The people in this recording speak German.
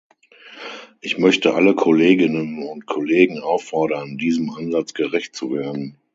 Ich möchte alle Kolleginnen und Kollegen auffordern, diesem Ansatz gerecht zu werden.